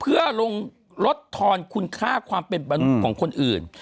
เพื่อลงลดทอนคุณค่าความเป็นของคนอื่น